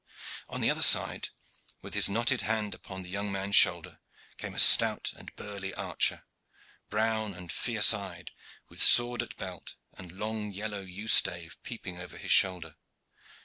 On the other side, with his knotted hand upon the young man's shoulder, came a stout and burly archer, brown and fierce eyed, with sword at belt and long yellow yew stave peeping over his shoulder.